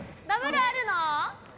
ダブルあるの？